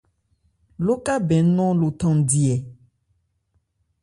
Lókabɛn nɔn lo thandi ɛ ?